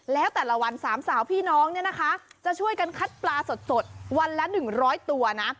แล้วแต่ละวัน๓สาวพี่น้องเนี่ยนะคะจะช่วยกันคัดปลาสดวันละ๑๐๐ตัวนะ